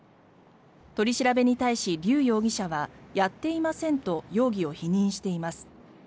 取り調べに対し、リュウ容疑者はやっていませんと容疑を否認しています。